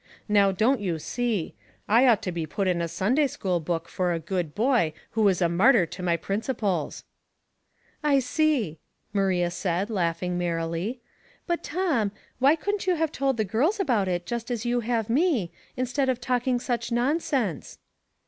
Now don't you see. 1 ought to be put in a Sun day school book for a good boy who was a martyr to my principles I "" I see," Maria said, laughing merrily. ''But, Tom, why couldn't you have told the girls about it just as you have me, instead of talking such nonsense